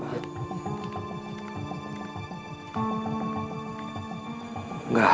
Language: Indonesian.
bapak ini dia